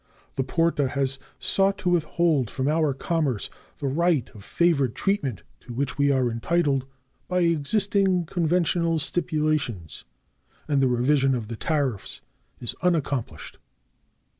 The Porte has sought to withhold from our commerce the right of favored treatment to which we are entitled by existing conventional stipulations, and the revision of the tariffs is unaccomplished.